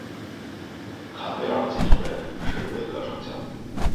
坎贝尔的继承人是维克上校。